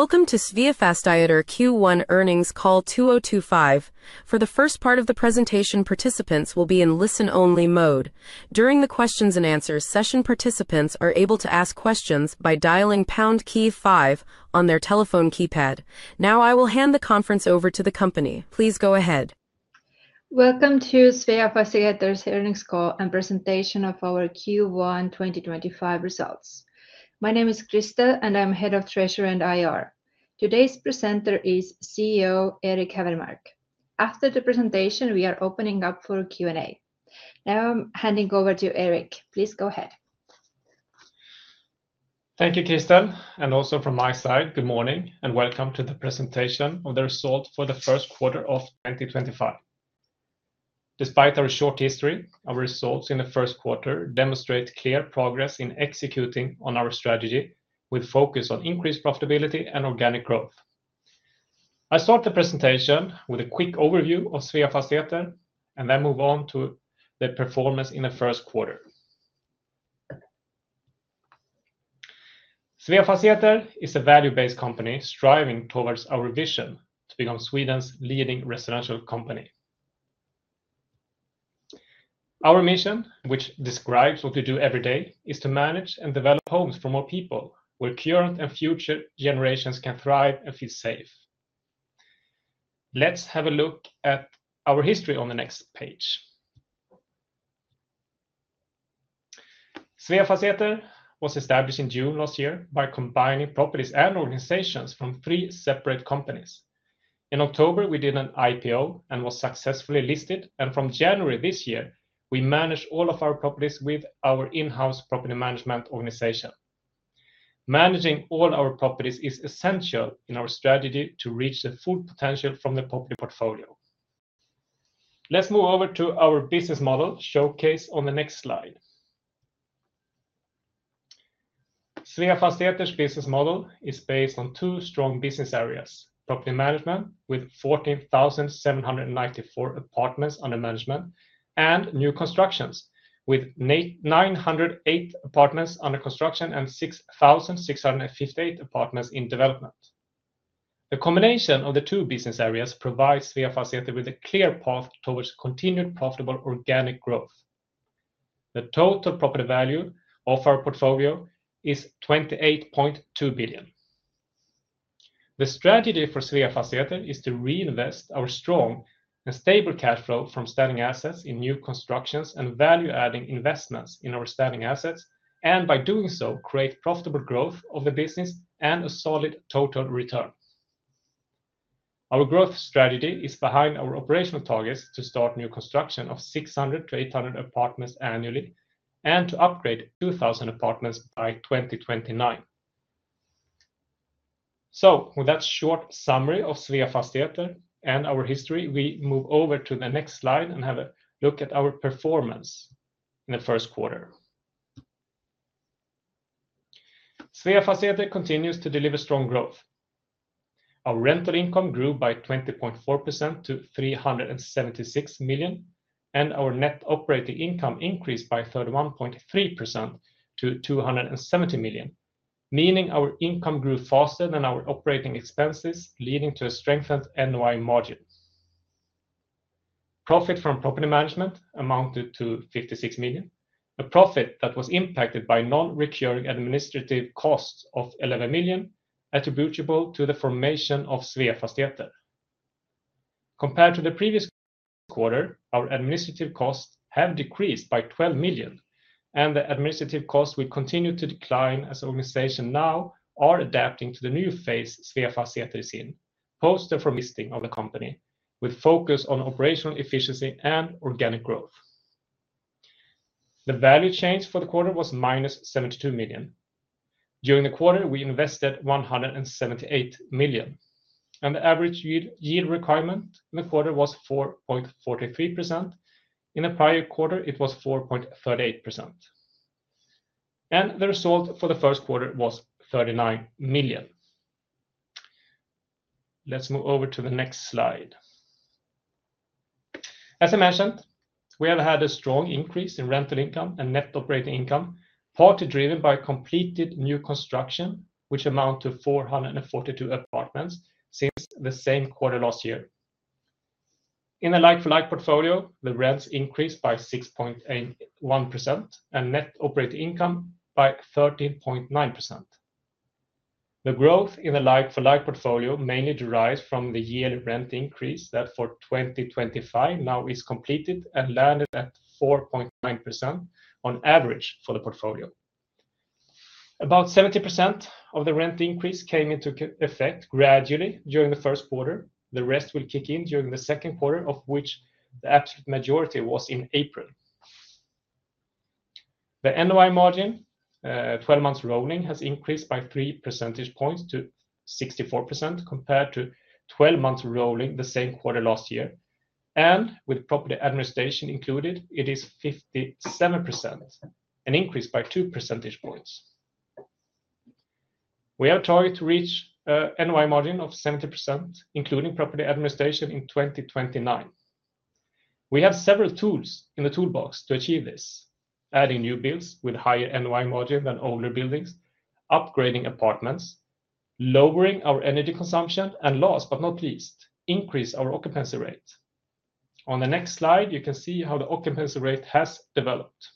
Welcome to Sveafastigheter Q1 earnings call 2025. For the first part of the presentation, participants will be in listen-only mode. During the questions and answers session, participants are able to ask questions by dialing pound key five on their telephone keypad. Now, I will hand the conference over to the company. Please go ahead. Welcome to Sveafastigheter's earnings call and presentation of our Q1 2025 results. My name is Kristel, and I'm Head of Treasury and IR. Today's presenter is CEO Erik Hävermark. After the presentation, we are opening up for Q&A. Now, I'm handing over to Erik. Please go ahead. Thank you, Kristel. Also from my side, good morning and welcome to the presentation of the results for the first quarter of 2025. Despite our short history, our results in the first quarter demonstrate clear progress in executing on our strategy, with focus on increased profitability and organic growth. I'll start the presentation with a quick overview of Sveafastigheter and then move on to the performance in the first quarter. Sveafastigheter is a value-based company striving towards our vision to become Sweden's leading residential company. Our mission, which describes what we do every day, is to manage and develop homes for more people, where current and future generations can thrive and feel safe. Let's have a look at our history on the next page. Sveafastigheter was established in June last year by combining properties and organizations from three separate companies. In October, we did an IPO and were successfully listed, and from January this year, we manage all of our properties with our in-house property management organization. Managing all our properties is essential in our strategy to reach the full potential from the property portfolio. Let's move over to our business model showcased on the next slide. Sveafastigheter's business model is based on two strong business areas: property management, with 14,794 apartments under management, and new constructions, with 908 apartments under construction and 6,658 apartments in development. The combination of the two business areas provides Sveafastigheter with a clear path towards continued profitable organic growth. The total property value of our portfolio is 28.2 billion. The strategy for Sveafastigheter is to reinvest our strong and stable cash flow from standing assets in new constructions and value-adding investments in our standing assets, and by doing so, create profitable growth of the business and a solid total return. Our growth strategy is behind our operational targets to start new construction of 600-800 apartments annually and to upgrade 2,000 apartments by 2029. With that short summary of Sveafastigheter and our history, we move over to the next slide and have a look at our performance in the first quarter. Sveafastigheter continues to deliver strong growth. Our rental income grew by 20.4% to 376 million, and our net operating income increased by 31.3% to 270 million, meaning our income grew faster than our operating expenses, leading to a strengthened NOI module. Profit from property management amounted to 56 million, a profit that was impacted by non-recurring administrative costs of 11 million, attributable to the formation of Sveafastigheter. Compared to the previous quarter, our administrative costs have decreased by 12 million, and the administrative costs will continue to decline as the organization now is adapting to the new phase Sveafastigheter is in, post the formation of the company, with focus on operational efficiency and organic growth. The value change for the quarter was -72 million. During the quarter, we invested 178 million, and the average yield requirement in the quarter was 4.43%. In the prior quarter, it was 4.38%. The result for the first quarter was 39 million. Let's move over to the next slide. As I mentioned, we have had a strong increase in rental income and net operating income, partly driven by completed new construction, which amounted to 442 apartments since the same quarter last year. In the like-for-like portfolio, the rents increased by 6.1% and net operating income by 13.9%. The growth in the like-for-like portfolio mainly derives from the yearly rent increase that for 2025 now is completed and landed at 4.9% on average for the portfolio. About 70% of the rent increase came into effect gradually during the first quarter. The rest will kick in during the second quarter, of which the absolute majority was in April. The NOI margin, 12 months rolling, has increased by 3 percentage points to 64% compared to 12 months rolling the same quarter last year. With property administration included, it is 57%, an increase by 2 percentage points. We are targeting to reach an NOI margin of 70%, including property administration in 2029. We have several tools in the toolbox to achieve this: adding new builds with higher NOI margin than older buildings, upgrading apartments, lowering our energy consumption, and last but not least, increasing our occupancy rate. On the next slide, you can see how the occupancy rate has developed.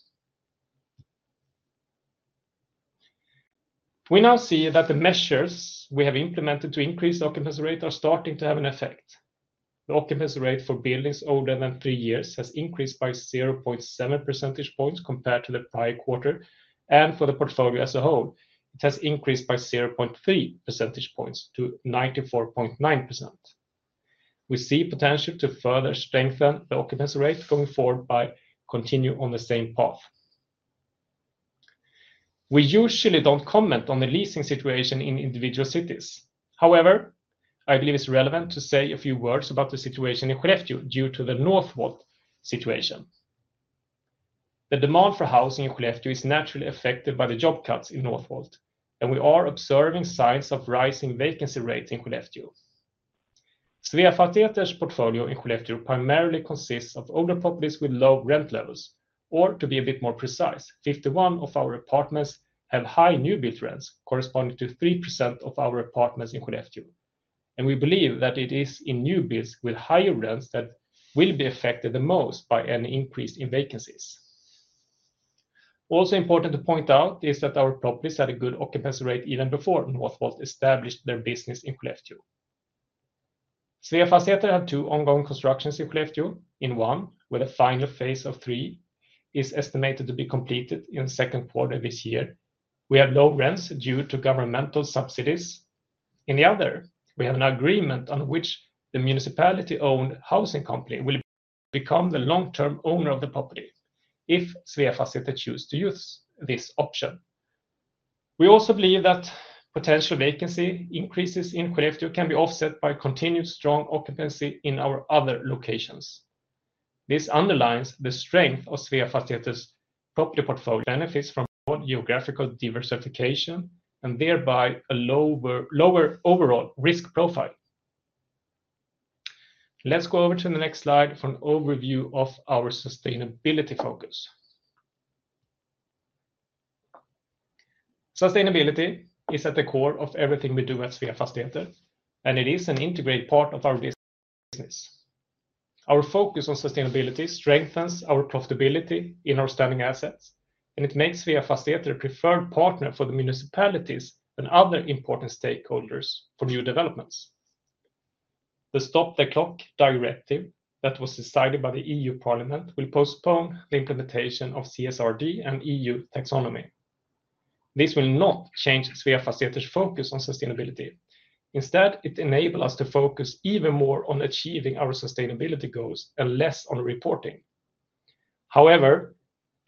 We now see that the measures we have implemented to increase the occupancy rate are starting to have an effect. The occupancy rate for buildings older than three years has increased by 0.7 percentage points compared to the prior quarter, and for the portfolio as a whole, it has increased by 0.3 percentage points to 94.9%. We see potential to further strengthen the occupancy rate going forward by continuing on the same path. We usually don't comment on the leasing situation in individual cities. However, I believe it's relevant to say a few words about the situation in Skellefteå due to the Northvolt situation. The demand for housing in Skellefteå is naturally affected by the job cuts in Northvolt, and we are observing signs of rising vacancy rates in Skellefteå. Sveafastigheter's portfolio in Skellefteå primarily consists of older properties with low rent levels, or to be a bit more precise, 51% of our apartments have high new build rents, corresponding to 3% of our apartments in Skellefteå. We believe that it is in new builds with higher rents that will be affected the most by an increase in vacancies. Also important to point out is that our properties had a good occupancy rate even before Northvolt established their business in Skellefteå. Sveafastigheter had two ongoing constructions in Skellefteå. In one, with a final phase of three, it is estimated to be completed in the second quarter this year. We have low rents due to governmental subsidies. In the other, we have an agreement on which the municipality-owned housing company will become the long-term owner of the property if Sveafastigheter chooses to use this option. We also believe that potential vacancy increases in Skellefteå can be offset by continued strong occupancy in our other locations. This underlines the strength of Sveafastigheter's property portfolio. Benefits from geographical diversification and thereby a lower overall risk profile. Let's go over to the next slide for an overview of our sustainability focus. Sustainability is at the core of everything we do at Sveafastigheter, and it is an integrated part of our business. Our focus on sustainability strengthens our profitability in our standing assets, and it makes Sveafastigheter a preferred partner for the municipalities and other important stakeholders for new developments. The Stop the Clock Directive that was decided by the EU Parliament will postpone the implementation of CSRD and EU Taxonomy. This will not change Sveafastigheter's focus on sustainability. Instead, it enables us to focus even more on achieving our sustainability goals and less on reporting. However,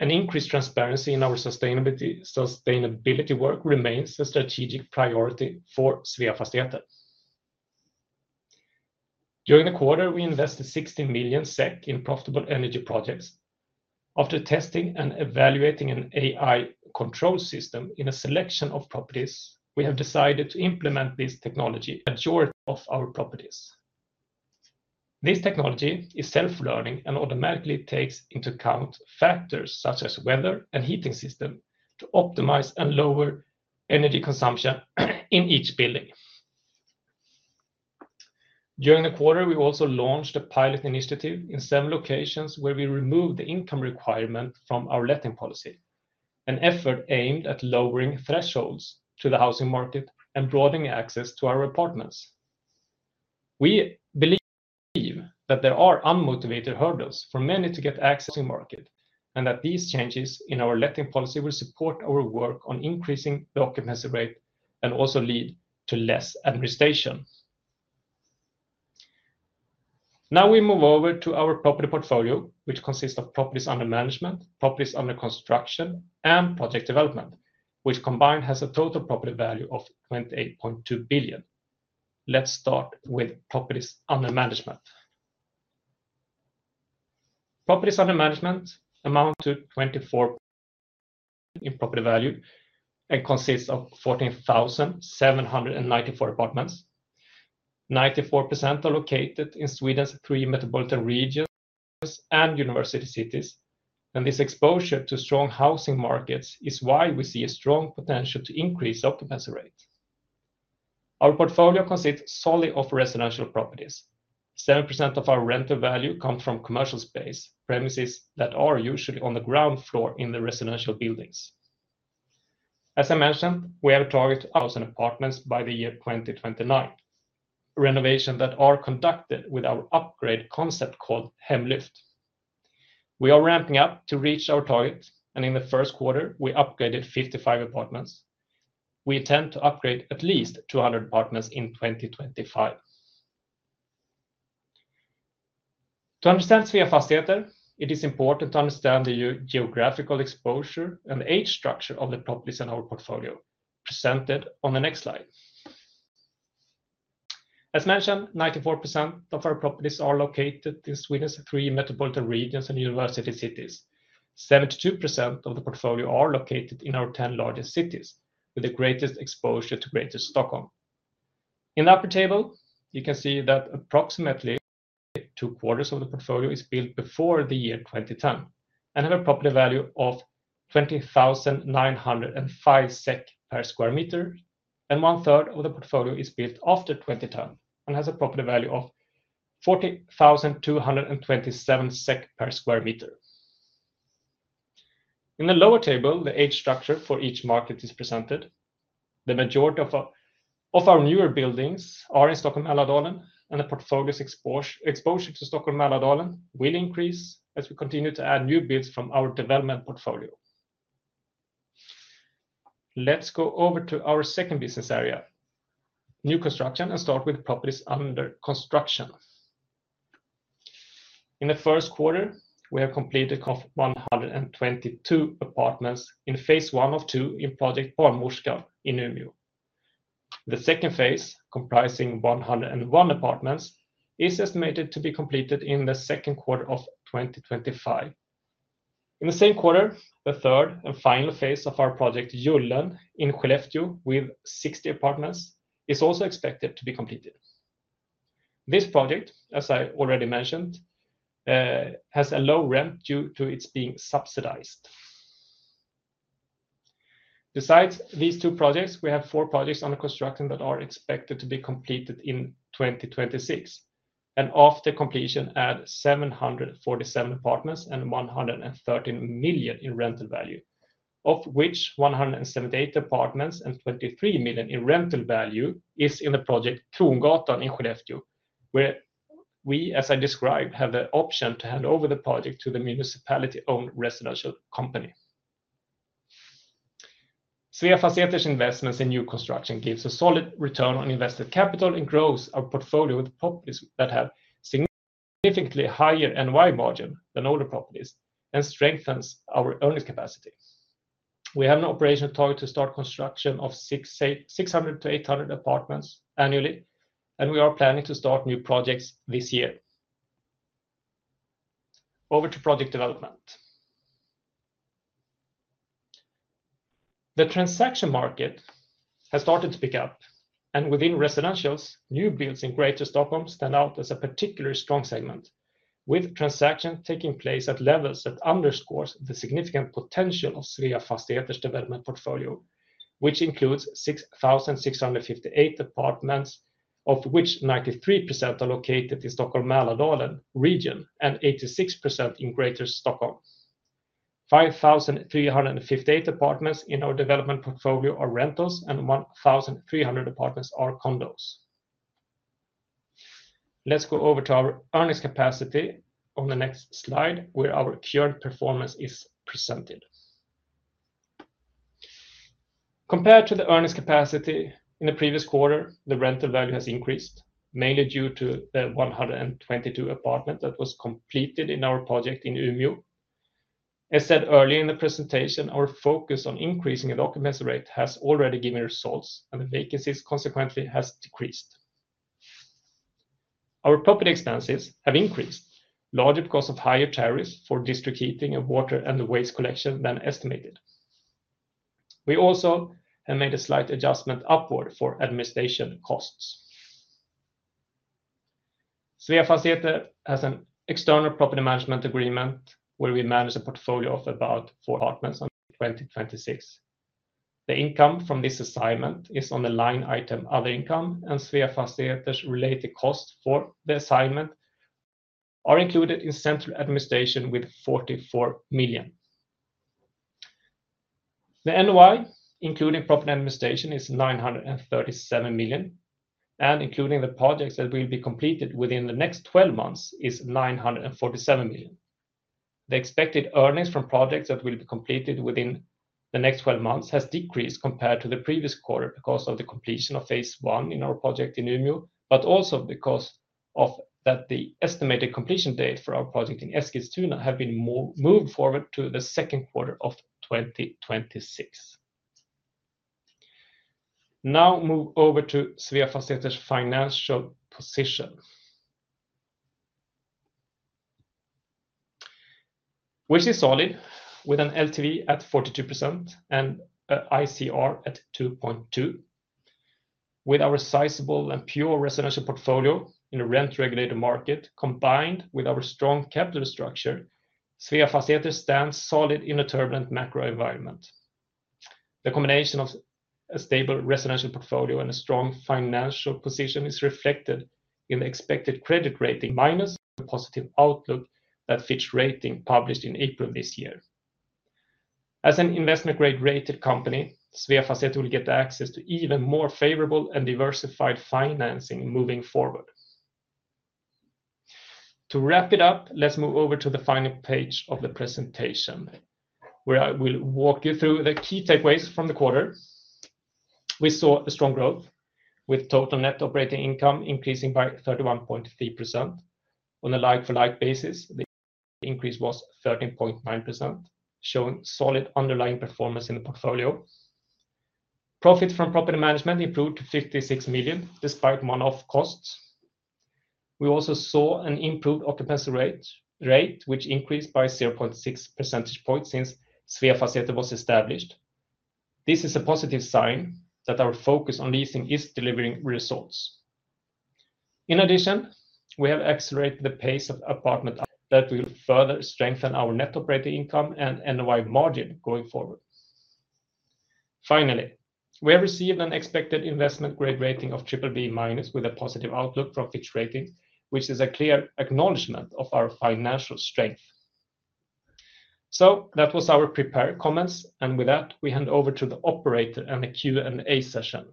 an increased transparency in our sustainability work remains a strategic priority for Sveafastigheter. During the quarter, we invested 16 million SEK in profitable energy projects. After testing and evaluating an AI control system in a selection of properties, we have decided to implement this technology on short of our properties. This technology is self-learning and automatically takes into account factors such as weather and heating systems to optimize and lower energy consumption in each building. During the quarter, we also launched a pilot initiative in seven locations where we removed the income requirement from our letting policy, an effort aimed at lowering thresholds to the housing market and broadening access to our apartments. We believe that there are unmotivated hurdles for many to get access to the market and that these changes in our letting policy will support our work on increasing the occupancy rate and also lead to less administration. Now we move over to our property portfolio, which consists of properties under management, properties under construction, and project development, which combined has a total property value of 28.2 billion. Let's start with properties under management. Properties under management amount to 24% in property value and consists of 14,794 apartments. 94% are located in Sweden's three metropolitan regions and university cities, and this exposure to strong housing markets is why we see a strong potential to increase the occupancy rate. Our portfolio consists solely of residential properties. 7% of our rental value comes from commercial space, premises that are usually on the ground floor in the residential buildings. As I mentioned, we have a target of 1,000 apartments by the year 2029, renovations that are conducted with our upgrade concept called Hemlyft. We are ramping up to reach our target, and in the first quarter, we upgraded 55 apartments. We intend to upgrade at least 200 apartments in 2025. To understand Sveafastigheter, it is important to understand the geographical exposure and age structure of the properties in our portfolio, presented on the next slide. As mentioned, 94% of our properties are located in Sweden's three metropolitan regions and university cities. 72% of the portfolio are located in our 10 largest cities, with the greatest exposure to Greater Stockholm. In the upper table, you can see that approximately two quarters of the portfolio is built before the year 2010 and has a property value of 20,905 SEK per sq m. And one third of the portfolio is built after 2010 and has a property value of 40,227 SEK per sq m. In the lower table, the age structure for each market is presented. The majority of our newer buildings are in Stockholm Mälardalen, and the portfolio's exposure to Stockholm Mälardalen will increase as we continue to add new builds from our development portfolio. Let's go over to our second business area, new construction, and start with properties under construction. In the first quarter, we have completed 122 apartments in phase one of two in project Palmmorska in Umeå. The second phase, comprising 101 apartments, is estimated to be completed in the second quarter of 2025. In the same quarter, the third and final phase of our project, Gyllen in Skellefteå, with 60 apartments, is also expected to be completed. This project, as I already mentioned, has a low rent due to its being subsidized. Besides these two projects, we have four projects under construction that are expected to be completed in 2026, and after completion, add 747 apartments and 113 million in rental value, of which 178 apartments and 23 million in rental value is in the project Trongatan in Skellefteå, where we, as I described, have the option to hand over the project to the municipality-owned residential company. Sveafastigheter's investments in new construction give a solid return on invested capital and grows our portfolio with properties that have significantly higher NOI margin than older properties and strengthens our earnings capacity. We have an operational target to start construction of 600-800 apartments annually, and we are planning to start new projects this year. Over to project development. The transaction market has started to pick up, and within residentials, new builds in Greater Stockholm stand out as a particularly strong segment, with transactions taking place at levels that underscore the significant potential of Sveafastigheter's development portfolio, which includes 6,658 apartments, of which 93% are located in Stockholm Mälardalen region and 86% in Greater Stockholm. 5,358 apartments in our development portfolio are rentals, and 1,300 apartments are condos. Let's go over to our earnings capacity on the next slide, where our current performance is presented. Compared to the earnings capacity in the previous quarter, the rental value has increased, mainly due to the 122 apartments that were completed in our project in Umeå. As said earlier in the presentation, our focus on increasing the occupancy rate has already given results, and the vacancies consequently have decreased. Our property expenses have increased, largely because of higher tariffs for district heating and water and waste collection than estimated. We also have made a slight adjustment upward for administration costs. Sveafastigheter has an external property management agreement where we manage a portfolio of about apartments until 2026. The income from this assignment is on the line item Other Income, and Sveafastigheter's related costs for the assignment are included in central administration with 44 million. The NOI, including property administration, is 937 million, and including the projects that will be completed within the next 12 months is 947 million. The expected earnings from projects that will be completed within the next 12 months have decreased compared to the previous quarter because of the completion of phase one in our project in Umeå, but also because the estimated completion date for our project in Eskilstuna has been moved forward to the second quarter of 2026. Now move over to Sveafastigheter's financial position, which is solid, with an LTV at 42% and an ICR at 2.2. With our sizable and pure residential portfolio in a rent-regulated market, combined with our strong capital structure, Sveafastigheter stands solid in a turbulent macro environment. The combination of a stable residential portfolio and a strong financial position is reflected in the expected credit rating, minus the positive outlook that Fitch Ratings published in April this year. As an investment-grade rated company, Sveafastigheter will get access to even more favorable and diversified financing moving forward. To wrap it up, let's move over to the final page of the presentation, where I will walk you through the key takeaways from the quarter. We saw a strong growth, with total net operating income increasing by 31.3%. On a like-for-like basis, the increase was 13.9%, showing solid underlying performance in the portfolio. Profits from property management improved to 56 million, despite one-off costs. We also saw an improved occupancy rate, which increased by 0.6 percentage points since Sveafastigheter was established. This is a positive sign that our focus on leasing is delivering results. In addition, we have accelerated the pace of apartment upgrades. That will further strengthen our net operating income and NOI margin going forward. Finally, we have received an expected investment-grade rating of BBB-, with a positive outlook from Fitch Ratings, which is a clear acknowledgment of our financial strength. That was our prepared comments, and with that, we hand over to the operator and the Q&A session.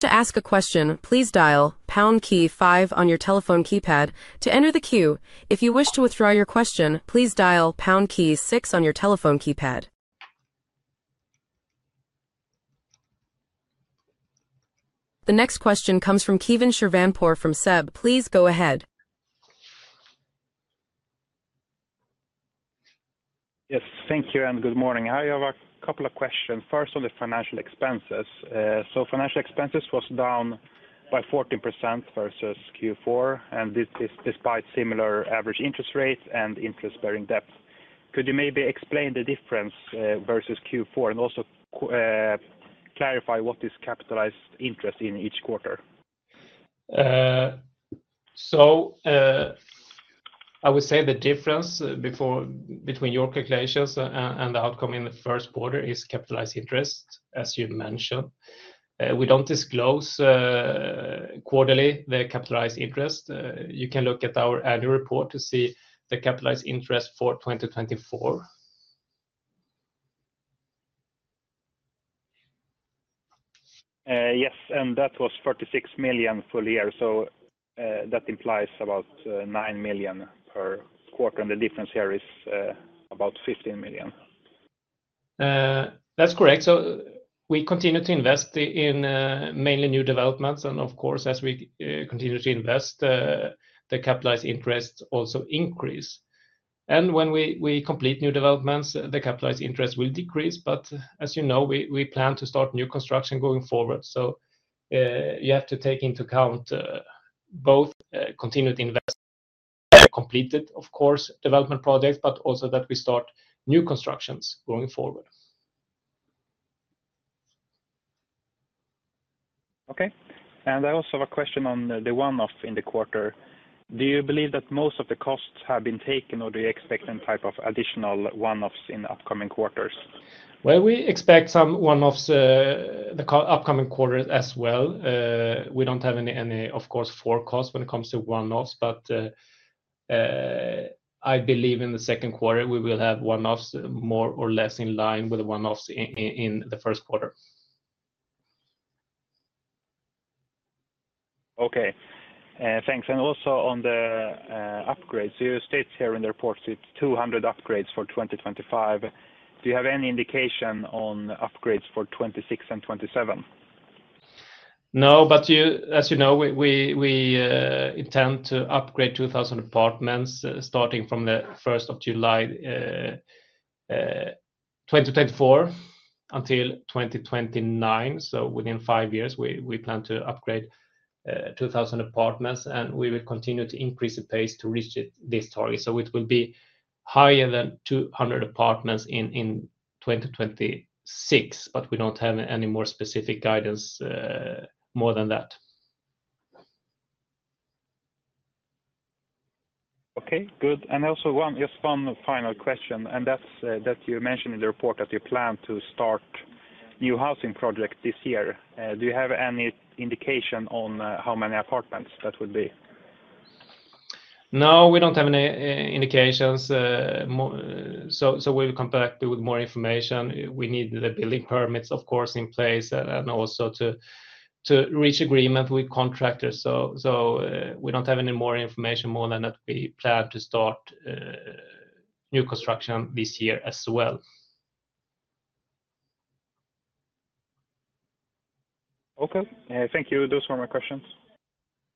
To ask a question, please dial pound key five on your telephone keypad to enter the queue. If you wish to withdraw your question, please dial pound key six on your telephone keypad. The next question comes from Kevin Shirvanpur from SEB. Please go ahead. Yes, thank you and good morning. I have a couple of questions. First, on the financial expenses. Financial expenses were down by 14% versus Q4, and this is despite similar average interest rates and interest-bearing debt. Could you maybe explain the difference versus Q4 and also clarify what is capitalized interest in each quarter? I would say the difference between your calculations and the outcome in the first quarter is capitalized interest, as you mentioned. We do not disclose quarterly the capitalized interest. You can look at our annual report to see the capitalized interest for 2024. Yes, and that was 36 million for the year. That implies about 9 million per quarter, and the difference here is about 15 million. That is correct. We continue to invest in mainly new developments, and of course, as we continue to invest, the capitalized interest also increases. When we complete new developments, the capitalized interest will decrease. As you know, we plan to start new construction going forward. You have to take into account both continued investment and completed, of course, development projects, but also that we start new constructions going forward. Okay. I also have a question on the one-off in the quarter. Do you believe that most of the costs have been taken, or do you expect any type of additional one-offs in the upcoming quarters? We expect some one-offs in the upcoming quarter as well. We do not have any, of course, forecast when it comes to one-offs, but I believe in the second quarter, we will have one-offs more or less in line with the one-offs in the first quarter. Okay, thanks. Also on the upgrades, you state here in the report it is 200 upgrades for 2025. Do you have any indication on upgrades for 2026 and 2027? No, but as you know, we intend to upgrade 2,000 apartments starting from July 1, 2024 until 2029. Within five years, we plan to upgrade 2,000 apartments, and we will continue to increase the pace to reach this target. It will be higher than 200 apartments in 2026, but we do not have any more specific guidance more than that. Okay, good. Also, one final question, and that is that you mentioned in the report that you plan to start new housing projects this year. Do you have any indication on how many apartments that would be? No, we do not have any indications. We will come back with more information. We need the building permits, of course, in place, and also to reach agreement with contractors. We do not have any more information more than that we plan to start new construction this year as well. Okay, thank you. Those were my questions.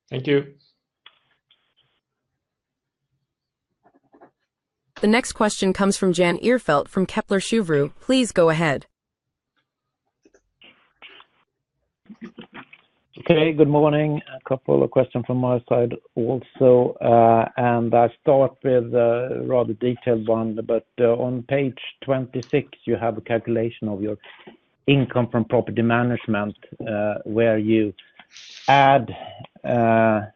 Thank you. The next question comes from Jan Ihrfelt from Kepler Cheuvreux. Please go ahead. Okay, good morning. A couple of questions from my side also. I'll start with a rather detailed one, but on page 26, you have a calculation of your income from property management, where you add the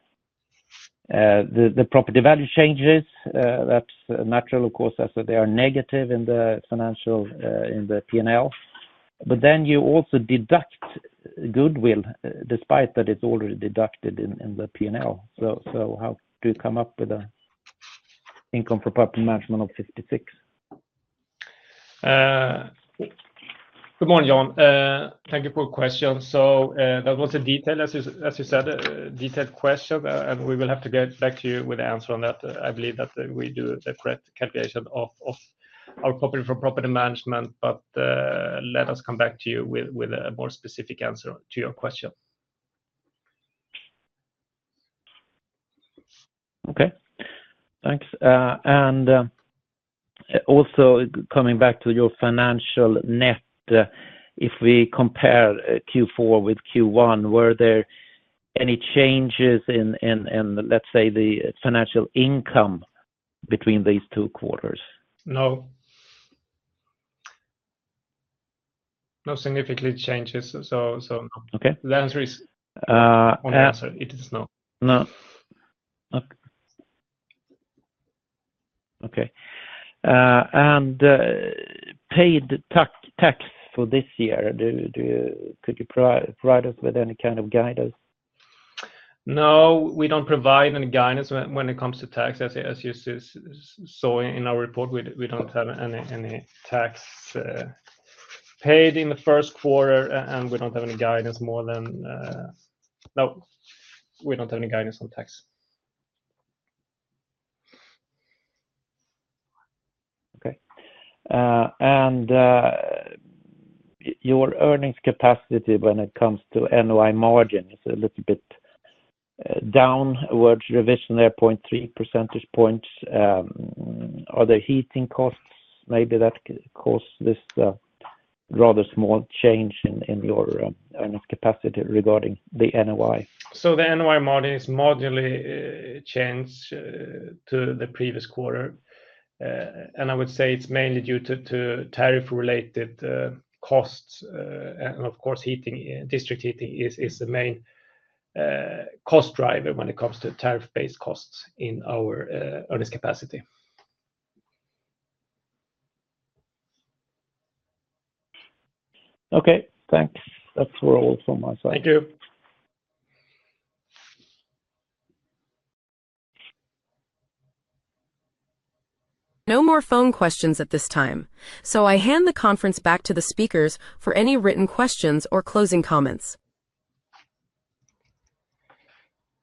property value changes. That's natural, of course, as they are negative in the financial in the P&L. Then you also deduct goodwill, despite that it's already deducted in the P&L. How do you come up with an income from property management of 56? Good morning, Jan. Thank you for the question. That was a detail, as you said, a detailed question, and we will have to get back to you with the answer on that. I believe that we do the correct calculation of our property from property management, but let us come back to you with a more specific answer to your question. Okay, thanks. Also, coming back to your financial net, if we compare Q4 with Q1, were there any changes in, let's say, the financial income between these two quarters? No. No significant changes. The answer is, it is no. No. Okay. Paid tax for this year, could you provide us with any kind of guidance? No, we do not provide any guidance when it comes to tax. As you saw in our report, we do not have any tax paid in the first quarter, and we do not have any guidance more than we do not have any guidance on tax. Your earnings capacity, when it comes to NOI margin, it is a little bit downwards, revision 0.3 percentage points. Are there heating costs? Maybe that caused this rather small change in your earnings capacity regarding the NOI? The NOI margin is moderately changed to the previous quarter. I would say it's mainly due to tariff-related costs. Of course, district heating is the main cost driver when it comes to tariff-based costs in our earnings capacity. Okay, thanks. That's all from my side. Thank you. No more phone questions at this time. I hand the conference back to the speakers for any written questions or closing comments.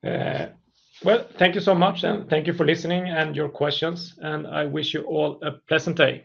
Thank you so much, and thank you for listening and your questions. I wish you all a pleasant day.